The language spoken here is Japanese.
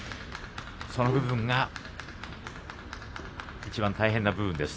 その部分がいちばん大変な部分です。